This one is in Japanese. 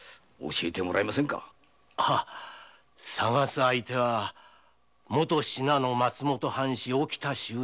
捜す相手は元信濃松本藩士沖田収蔵。